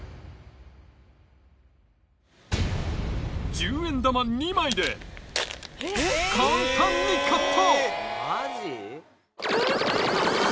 １０円玉２枚で簡単にカット！